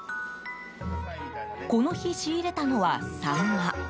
この日、仕入れたのはサンマ。